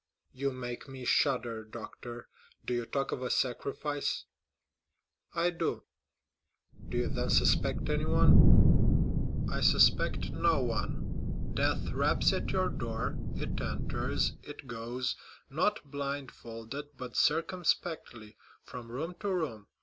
"You make me shudder, doctor. Do you talk of a sacrifice?" "I do." "Do you then suspect anyone?" "I suspect no one; death raps at your door—it enters—it goes, not blindfolded, but circumspectly, from room to room.